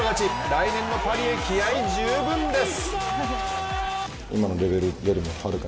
来年のパリへ気合い十分です！